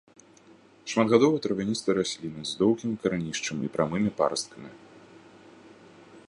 Шматгадовая травяністая расліна з доўгім карэнішчам і прамымі парасткамі.